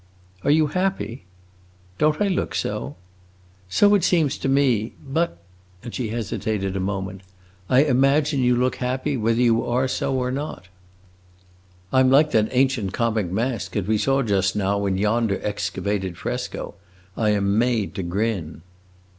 "Are you happy?" "Don't I look so?" "So it seems to me. But" and she hesitated a moment "I imagine you look happy whether you are so or not." "I 'm like that ancient comic mask that we saw just now in yonder excavated fresco: I am made to grin."